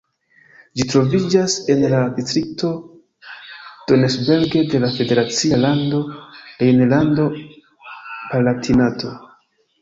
Ĝi troviĝas en la distrikto Donnersberg de la federacia lando Rejnlando-Palatinato.